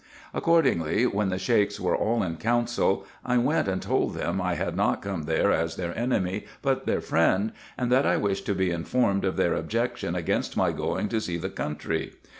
Ac cordingly, when the Shieks were all in council, I went and told them I had not come there as their enemy, but their friend, and that I wished to be informed of their objection against my going to see the 408 RESEARCHES AND OPERATIONS country.